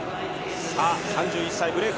３１歳、ブレイク